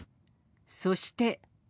そして。